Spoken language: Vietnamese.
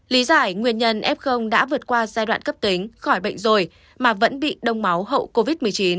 lý giải nguyên nhân f đã vượt qua giai đoạn cấp tính khỏi bệnh rồi mà vẫn bị đông máu hậu covid một mươi chín